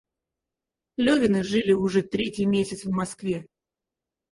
Левины жили уже третий месяц в Москве.